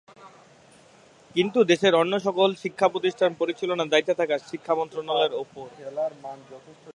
কিন্তু দেশের অন্য সকল শিক্ষা প্রতিষ্ঠান পরিচালনার দায়িত্ব থাকে শিক্ষা মন্ত্রণালয়ের ওপর।